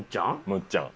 むっちゃん。